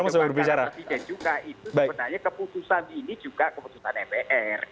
itu sebenarnya keputusan ini juga keputusan mpr